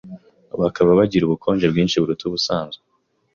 bakaba bagira ubukonje bwinshi buruta ubusanzwe